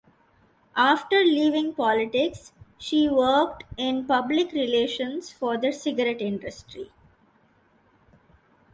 After leaving politics she worked in public relations for the cigarette industry.